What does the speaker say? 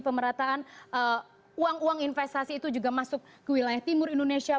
pemerataan uang uang investasi itu juga masuk ke wilayah timur indonesia